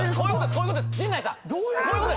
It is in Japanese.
こういうことです。